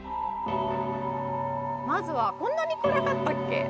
まずはこんなに暗かったっけ？